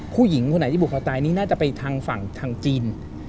ผู้หญิงคนไหนที่ผูกคอตายนี่น่าจะไปทางฝั่งทางจีน